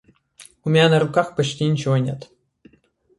У меня на руках почти ничего нет.